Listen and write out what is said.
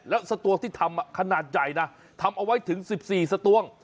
แล้วสตวงที่ทำขนาดใหญ่นะทำเอาไว้ถึง๑๔สตวง